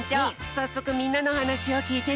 さっそくみんなのはなしをきいてみよう。